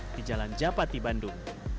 di jalan japati bandung